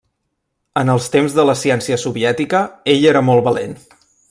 En els temps de la ciència soviètica ell era molt valent.